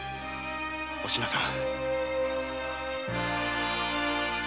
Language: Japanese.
お品さん。